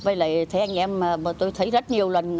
với lại thấy anh em tôi thấy rất nhiều lần